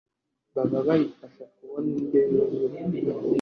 baba bayifasha kubona indyo yuzuye